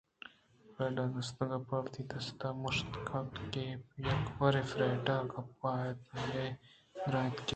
فریڈا ءِ دستاں گپت ءُوتی دستاں مشت کُت کہ یک برے فریڈا گپتگ اَت آئی ءَ درّائینت کہ